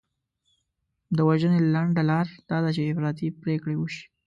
د وژنې لنډه لار دا ده چې افراطي پرېکړې وشي.